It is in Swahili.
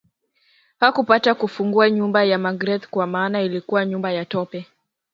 Hakupata tabu kufungua nyumba ya Magreth kwa maana ilikuwa nyumba ya tope